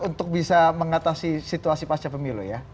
untuk bisa mengatasi situasi pasca pemilu ya